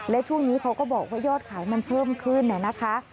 และช่วงนี้เขาก็บอกว่ายอดขายมันเพิ่มขึ้นนะคะ